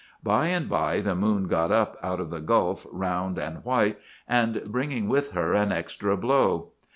"By and by the moon got up out of the gulf, round and white, and bringing with her an extra blow.